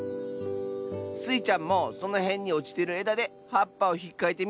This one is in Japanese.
スイちゃんもそのへんにおちてるえだではっぱをひっかいてみ。